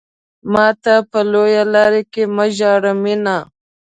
ماته په لويه لار کې مه ژاړه مينه.